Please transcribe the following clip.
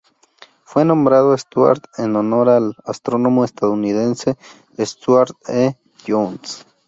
Fue nombrado Stuart en honor al astrónomo estadounidense Stuart E. Jones.